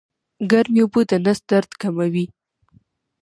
ګرمې اوبه د نس درد کموي